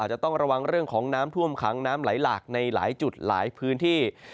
จะต้องระวังเรื่องของน้ำท่วมขังน้ำไหลหลากในหลายจุดหลายพื้นที่